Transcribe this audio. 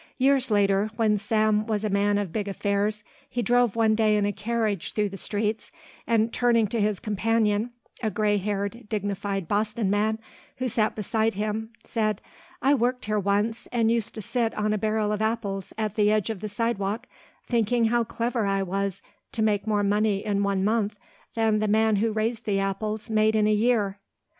Years later, when Sam was a man of big affairs, he drove one day in a carriage through the streets and turning to his companion, a grey haired, dignified Boston man who sat beside him, said, "I worked here once and used to sit on a barrel of apples at the edge of the sidewalk thinking how clever I was to make more money in one month than the man who raised the apples made in a year."